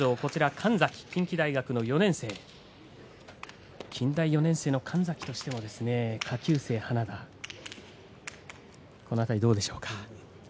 神崎は近畿大学４年生近畿大学の神崎としても下級生の花田、この辺りどうでしょうか。